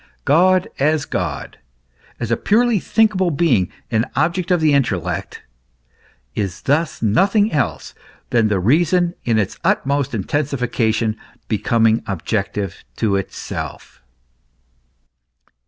* God as God as a purely thinkable being, an object of the in tellect, is thus nothing else than the reason in its utmost intensification become objective to itself.